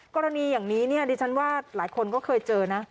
กรณีอย่างนี้เนี่ยดิฉันว่าหลายคนก็เคยเจอนะ